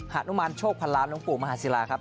หานุมานโชคพันล้านหลวงปู่มหาศิลาครับ